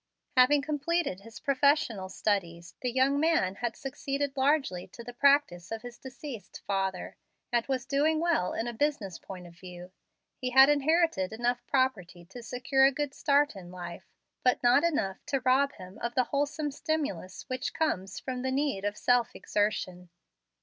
Having completed his professional studies, the young man had succeeded largely to the practice of his deceased father, and was doing well in a business point of view. He had inherited enough property to secure a good start in life, but not enough to rob him of the wholesome stimulus which comes from the need of self exertion.